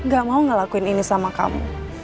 gak mau ngelakuin ini sama kamu